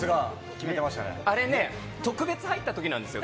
あれね、特別入ったときなんですよ。